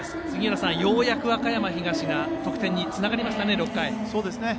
杉浦さん、ようやく和歌山東が得点につなげましたね。